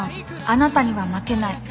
あなたには負けない。